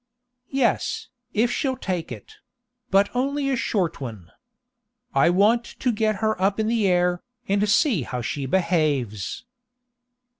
"Yes, if she'll take it; but only a short one. I want to get her up in the air, and see how she behaves."